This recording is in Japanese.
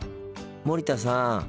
森田さん